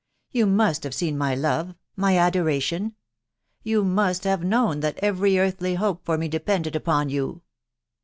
You must have seen my love — my adoration..,. You must have known that every earthly hope for me depended upon you